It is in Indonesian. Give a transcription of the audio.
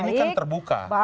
ini kan terbuka